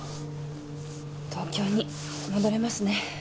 東京に戻れますね